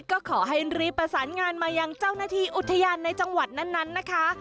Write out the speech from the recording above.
ก็ขอให้รีบประสานงานมายังเจ้าหน้าที่อุทยานในจังหวัดนั้นนะคะ